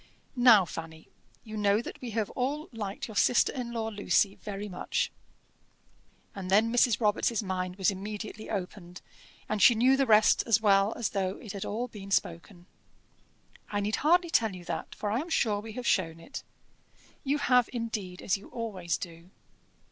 "Now, Fanny, you know that we have all liked your sister in law, Lucy, very much." And then Mrs. Robarts' mind was immediately opened, and she knew the rest as well as though it had all been spoken. "I need hardly tell you that, for I am sure we have shown it." "You have, indeed, as you always do."